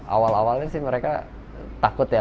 awal awalnya sih mereka takut ya